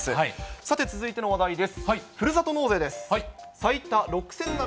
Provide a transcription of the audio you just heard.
さて、続いての話題です。